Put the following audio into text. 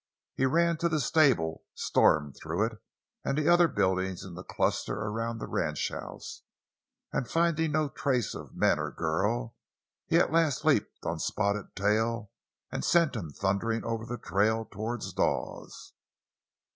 He ran to the stable, stormed through it—and the other buildings in the cluster around the ranchhouse; and finding no trace of men or girl, he at last leaped on Spotted Tail and sent him thundering over the trail toward Dawes.